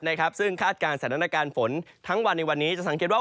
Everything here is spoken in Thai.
นะครับซึ่งคาดการณ์สถานการณ์ฝนทั้งวันในวันนี้จะสังเกตว่า